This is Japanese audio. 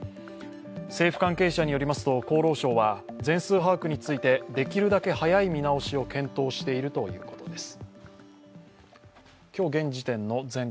政府関係者によりますと厚労省は全数把握の見直しについてできるだけ早い見直しを検討しているということです。